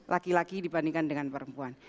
laki laki dibandingkan dengan perempuan